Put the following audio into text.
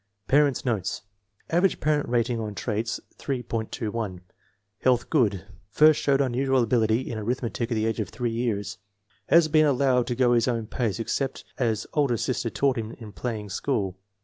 Parents 9 notes. Average parent rating on traits, 3.21. Health good. First showed unusual ability in arithmetic at the age of 3 years. Has been allowed to go his own pace, except as older sister taught him in playing school.